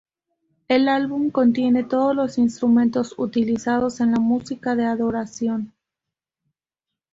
El álbum contiene todos los instrumentos utilizados en la música de adoración.